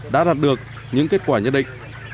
đã đạt được những kết quả nhất định